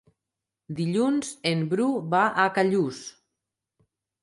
Dilluns en Bru va a Callús.